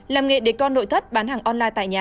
làm nghề để con nội thất bán hàng online tại nhà